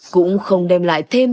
cũng không đem lại thêm